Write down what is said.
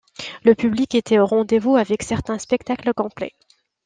Le public était au rendez-vous avec certains spectacles complets.